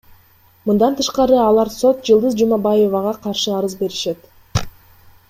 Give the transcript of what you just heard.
Мындан тышкары алар сот Жылдыз Жумабаевага каршы арыз беришет.